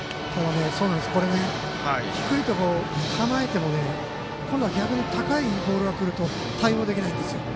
低いところ構えてもね今度は高いボールがくると対応できないんですよ。